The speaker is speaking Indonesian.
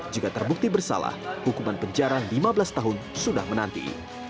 jika terbukti bersalah hukuman penjara lima belas tahun sudah menanti